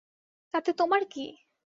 তাতে তোমার কী?